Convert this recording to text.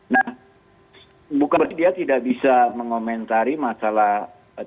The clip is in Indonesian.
nah bukan berarti dia tidak bisa mengomentari masalah tertutup terbuka ya